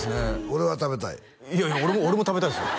俺は食べたいいやいや俺も食べたいですよ